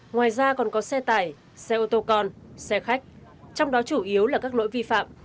ngoài ra còn có xe tải xe ô tô con xe khách trong đó chủ yếu là các lỗi vi phạm